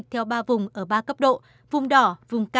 thì em mới được